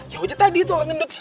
ya ojat tadi itu orang ngedut